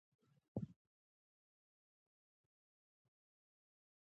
سترګې دقیق کیمرې دي.